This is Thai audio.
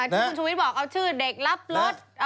ที่คุณชุวิตบอกเอาชื่อเด็กรับรถ